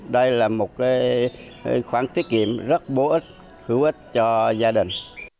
đây là một khoản tiết kiệm rất bổ ích hữu ích cho gia đình